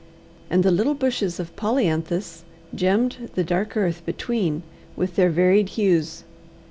And the little bushes of polyanthus gemmed the dark earth between with their varied hues.